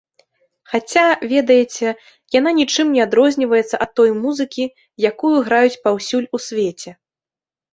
Хаця, ведаеце, яна нічым не адрозніваецца ад той музыкі, якую граюць паўсюль у свеце.